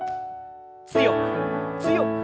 強く強く。